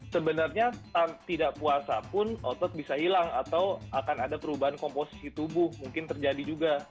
sebenarnya tidak puasa pun otot bisa hilang atau akan ada perubahan komposisi tubuh mungkin terjadi juga